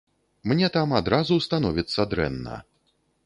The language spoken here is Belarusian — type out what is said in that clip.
Мне там адразу становіцца дрэнна.